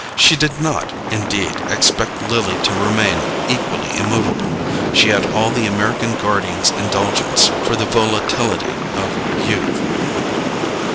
She did not, indeed, expect Lily to remain equally immovable: she had all the American guardian's indulgence for the volatility of youth.